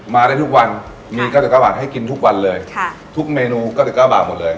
มาได้ทุกวันมี๙๙บาทให้กินทุกวันเลยค่ะทุกเมนู๙๙บาทหมดเลย